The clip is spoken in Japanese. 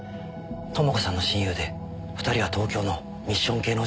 朋子さんの親友で２人は東京のミッション系の女